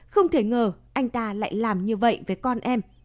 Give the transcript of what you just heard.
không thể ngờ anh ta lại làm như vậy với con em